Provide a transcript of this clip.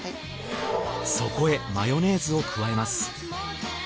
そこへマヨネーズを加えます。